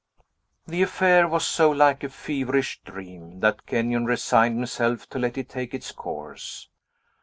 The affair was so like a feverish dream, that Kenyon resigned himself to let it take its course.